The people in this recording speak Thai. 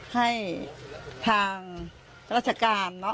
ให้ทางรัชกาล